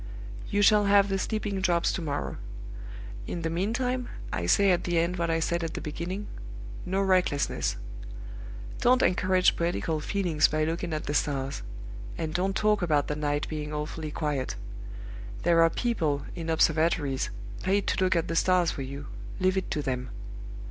"You shall have the sleeping drops to morrow. In the meantime, I say at the end what I said at the beginning no recklessness. Don't encourage poetical feelings by looking at the stars; and don't talk about the night being awfully quiet. There are people (in observatories) paid to look at the stars for you; leave it to them.